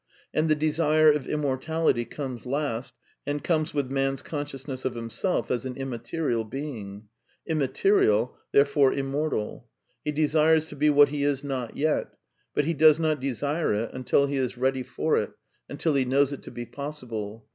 And the desire of immortality comes last, and comes with man's consciousness of himself as an immaterial being. Imma terial, therefore immortal. He desires to be what he is not yet ; but he does not desire it until he is ready for it, until CONCLUSIONS 326 he knows it to be possible.